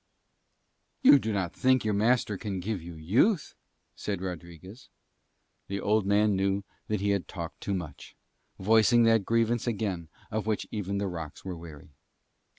"You do not think your master can give you youth!" said Rodriguez. The old man knew that he had talked too much, voicing that grievance again of which even the rocks were weary.